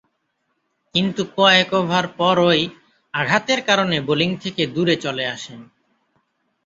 কিন্তু কয়েক ওভার পরই আঘাতের কারণে বোলিং থেকে দূরে চলে আসেন।